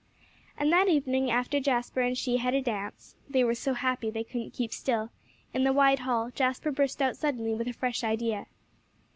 And that evening, after Jasper and she had a dance they were so happy, they couldn't keep still in the wide hall, Jasper burst out suddenly with a fresh idea.